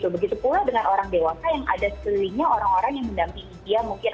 begitu pula dengan orang dewasa yang ada sekelilingnya orang orang yang mendampingi dia mungkin